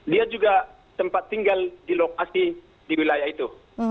dia juga sempat tinggal di lokasi di wilayah itu